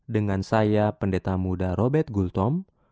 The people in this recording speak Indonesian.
dengan saya pendeta muda robert gultom